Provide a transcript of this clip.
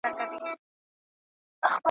اغزي که تخم د سروګلونو .